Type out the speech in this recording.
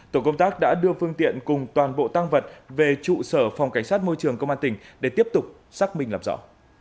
tổ công tác đã đưa phương tiện cùng toàn bộ tăng vật về trụ sở phòng cảnh sát môi trường công an tỉnh để tiếp tục xác minh làm rõ